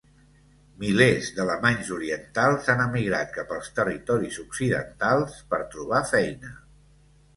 Milers d'alemanys orientals han emigrat cap als territoris occidentals per trobar feina.